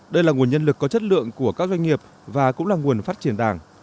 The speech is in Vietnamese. đây là nguồn nhân lực có chất lượng của các doanh nghiệp và cũng là nguồn phát triển đảng